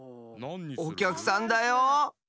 おきゃくさんだよ。